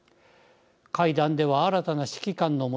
会談では新たな指揮官の下